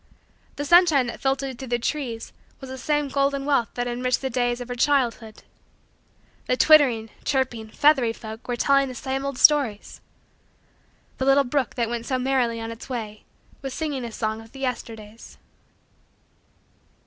The sunshine that filtered through the trees was the same golden wealth that enriched the days of her childhood. The twittering, chirping, feathery, folk were telling the same old stories. The little brook that went so merrily on its way was singing a song of the Yesterdays.